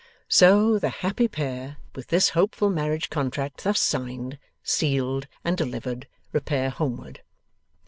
So, the happy pair, with this hopeful marriage contract thus signed, sealed, and delivered, repair homeward.